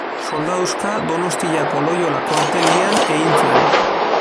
Soldaduska Donostiako Loiola kuartelean egin zuen.